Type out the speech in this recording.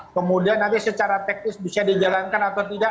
kemudian nanti secara teknis bisa dijalankan atau tidak